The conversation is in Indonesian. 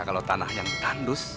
kalau tanah yang tandus